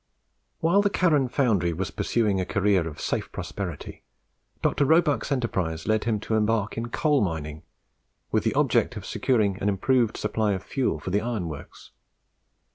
While the Carron foundry was pursuing a career of safe prosperity, Dr. Roebuck's enterprise led him to embark in coal mining, with the object of securing an improved supply of fuel for the iron works.